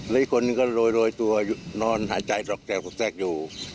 แล้วอีกคนนึงก็โรยโรยตัวนอนหายใจตรอกแจกอยู่